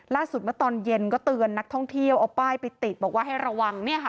เมื่อตอนเย็นก็เตือนนักท่องเที่ยวเอาป้ายไปติดบอกว่าให้ระวังเนี่ยค่ะ